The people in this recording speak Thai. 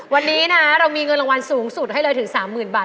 วันนี้นะเรามีเงินรางวัลสูงสุดให้เลยถึง๓๐๐๐บาท